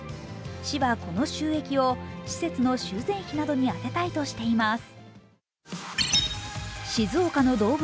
市はこの収益を施設の修繕費などに充てたいとしています。